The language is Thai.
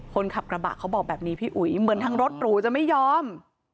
คนขับกระบะเขาบอกแบบนี้พี่อุ๋ยเหมือนทางรถหรูจะไม่ยอม